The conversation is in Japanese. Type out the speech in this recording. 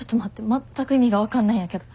全く意味が分かんないんやけど。